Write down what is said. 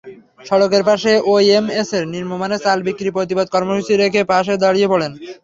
সড়কের পাশে ওএমএসের নিম্নমানের চাল বিক্রির প্রতিবাদ কর্মসূচি দেখে দাঁড়িয়ে পড়েন।